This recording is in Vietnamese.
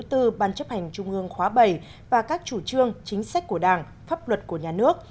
tư ban chấp hành trung ương khóa bảy và các chủ trương chính sách của đảng pháp luật của nhà nước